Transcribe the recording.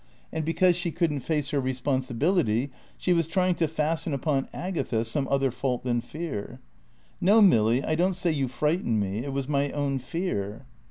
And because she couldn't face her responsibility, she was trying to fasten upon Agatha some other fault than fear. "No, Milly, I don't say you frightened me, it was my own fear."